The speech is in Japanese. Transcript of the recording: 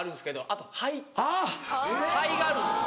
あと灰灰があるんですよ。